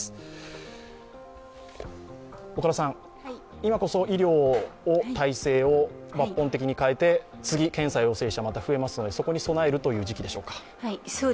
今こそ医療体制を抜本的に変えて次、検査陽性者が増えますので、それに備えるという時期でしょうか？